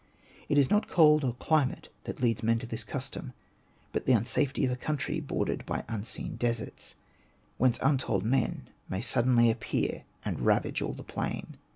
It is not cold or climate that leads men to this custom, but the unsafety of a country bordered by unseen deserts, whence untold men may suddenly appear and ravage all the plain.